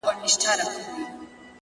لپاره دې ښار كي په جنگ اوسېږم”